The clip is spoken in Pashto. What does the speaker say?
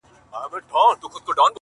کچکول به یوسو تر خیراتونو -